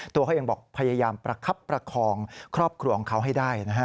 ตัวเขาเองบอกพยายามประคับประคองครอบครัวของเขาให้ได้นะฮะ